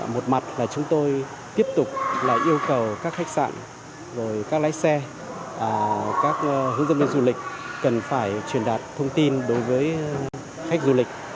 một mặt là chúng tôi tiếp tục là yêu cầu các khách sạn các lái xe các hướng dẫn viên du lịch cần phải truyền đạt thông tin đối với khách du lịch